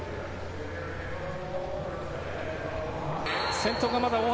先頭がまだ大橋。